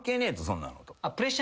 そんなのと。